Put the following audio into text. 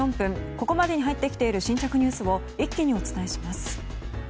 ここまでに入っている新着ニュースを一気にお伝えします。